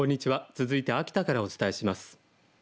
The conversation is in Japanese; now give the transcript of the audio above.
続いて秋田からお伝えします。